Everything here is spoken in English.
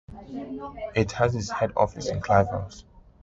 It has its head office in Clive House.